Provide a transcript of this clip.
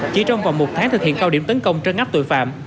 chỉ trong vòng một tháng thực hiện cao điểm tấn công trân ngắp tội phạm